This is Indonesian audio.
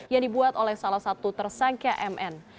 yang dibuat oleh salah satu tersangka mn